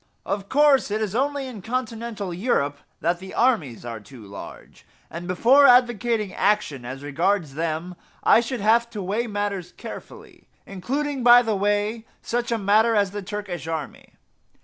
Of course it is only in continental Europe that the armies are too large; and before advocating action as regards them I should have to weigh matters carefully including by the way such a matter as the Turkish army.